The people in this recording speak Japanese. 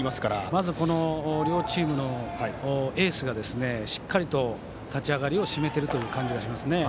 まず、両チームのエースがしっかりと立ち上がりを締めている感じがしますね。